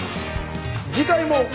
次回も。